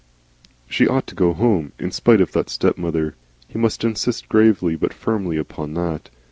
She ought to go home, in spite of that stepmother. He must insist gravely but firmly upon that.